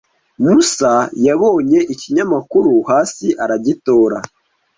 Musa yabonye ikinyamakuru hasi aragitora.